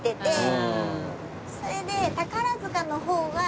それで。